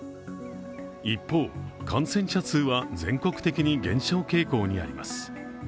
一方、感染者数は全国的に減少傾向にあります。